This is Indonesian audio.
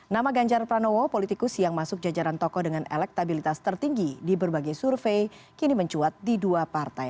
nama ganjar pranowo politikus yang masuk jajaran tokoh dengan elektabilitas tertinggi di berbagai survei kini mencuat di dua partai